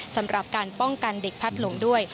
สำหรับการป้องกันเด็กพัดหลงด้วย